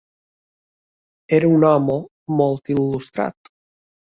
Era un home molt il·lustrat.